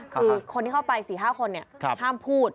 คือคนที่เข้าไปสี่ห้าคนเนี่ยห้ามพูด